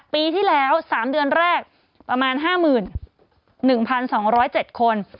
ปีที่แล้ว๓เดือนแรกประมาณ๕๑๒๐๗คน